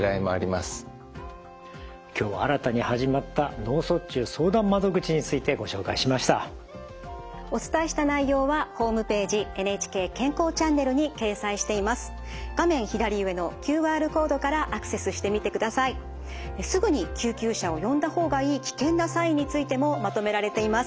すぐに救急車を呼んだ方がいい危険なサインについてもまとめられています。